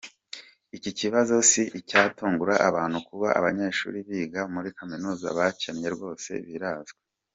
Iki kibazo si icyatungura abantu, kuba abanyeshuli biga muri kaminuza bakennye rwose birazwi.